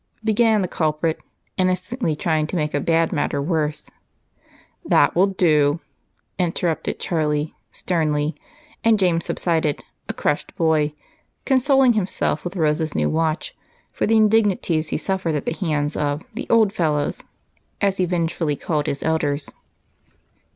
began the culprit, innocently trying to make a bad matter worse. "That will do," interrupted Charlie sternly, and James subsided, a crushed boy, consoling himself with Rose's new watch for the indignities he suffered at the hands of the "old fellows" as he vengefully called his elders.